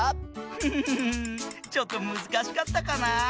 フフフフちょっとむずかしかったかな？